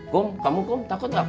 kum kamu takut nggak